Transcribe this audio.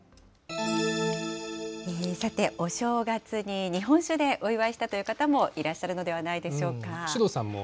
さて、お正月に日本酒でお祝いしたという方もいらっしゃるのではないでしょうか。